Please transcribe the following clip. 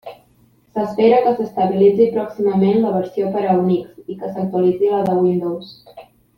S'espera que s'estabilitzi pròximament la versió per a Unix i que s'actualitzi la de Windows.